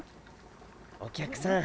お客さん